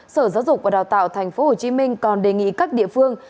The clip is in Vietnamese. sở giáo dục và đào tạo tp hcm còn đề nghị các địa phương